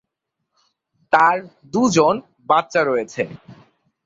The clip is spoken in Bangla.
তার দুজন বাচ্চা রয়েছে।